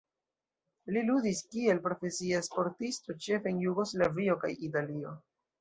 Li ludis kiel profesia sportisto ĉefe en Jugoslavio kaj Italio.